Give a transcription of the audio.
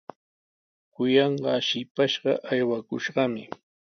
Kuyanqaa shipashqa aywakushqami.